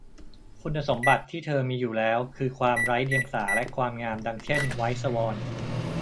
คุณสมบัติที่เธอมีอยู่แล้วคือความไร้เดียงสาและความงามดังเช่น ไวท์สวอน